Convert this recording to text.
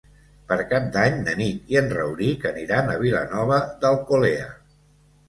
Per Cap d'Any na Nit i en Rauric aniran a Vilanova d'Alcolea.